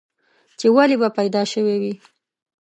چې ولې به پيدا شوی وې؟